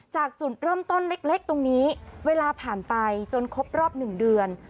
จากจุดเริ่มต้นเล็กตรงนี้เวลาผ่านไปจนครบรอบ๑เดือน